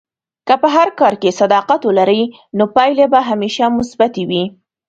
که په هر کار کې صداقت ولرې، نو پایلې به همیشه مثبتې وي.